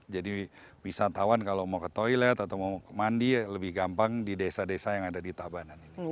jadi wisatawan kalau mau ke toilet atau mau mandi lebih gampang di desa desa yang ada di tabanan ini